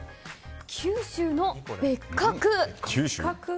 九州の別格。